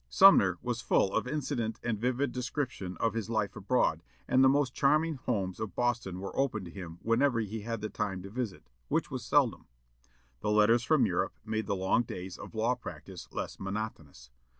Sumner was full of incident and vivid description of his life abroad, and the most charming homes of Boston were open to him whenever he had the time to visit, which was seldom. The letters from Europe made the long days of law practice less monotonous.